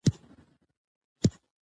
که زه فشار کم کړم، مزاج به ښه شي.